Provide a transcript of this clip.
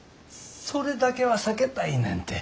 それだけは避けたいねんて。